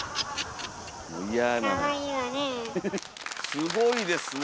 すごいですね。